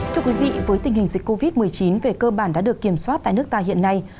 thưa quý vị với tình hình dịch covid một mươi chín về cơ bản đã được kiểm soát tại nước ta hiện nay